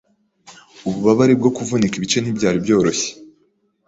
Ububabare bwo kuvunika ibice ntibyari byoroshye.